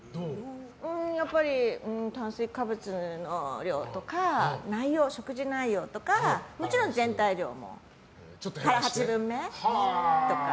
やっぱり炭水化物の量とか食事内容とかもちろん全体量も腹八分目とか。